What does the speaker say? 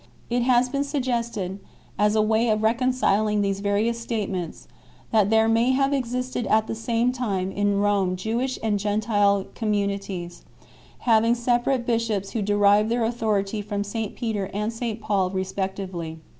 It has been suggested 8 , as a way of reconciling these various statements, that there may have existed at the same time in Rome Jewish and Gentile communities, having separate bishops who derived their authority from St Peter and St Paul respec tively.